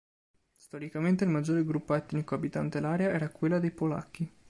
Storicamente, il maggiore gruppo etnico abitante l'area era quello dei polacchi.